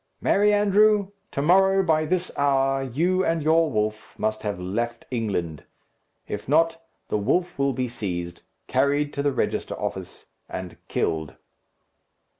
"Merry andrew! to morrow, by this hour, you and your wolf must have left England. If not, the wolf will be seized, carried to the register office, and killed."